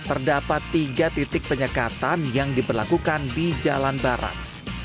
terdapat tiga titik penyekatan yang diberlakukan di jalan barat